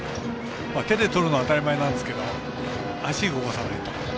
手でとるのは当たり前なんですけど足を動かさないと。